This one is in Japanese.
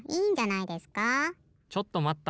・ちょっとまった！